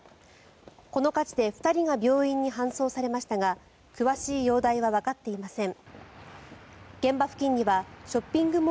この火事で２人が病院に搬送されましたが詳しい容体はわかっていません。